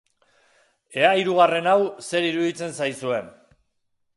Ea hirugarren hau zer iruditzen zaizuen.